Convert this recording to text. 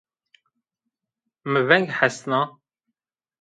Mi veng hesna